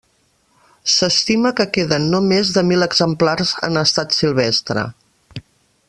S'estima que queden no més de mil exemplars en estat silvestre.